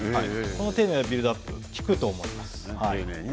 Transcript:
この手のビルドアップはきくと思います。